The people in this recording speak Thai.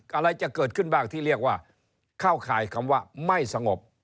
อะไรจะเกิดขึ้นบ้างที่เรียกว่าเข้าข่ายคำว่าไม่สงบ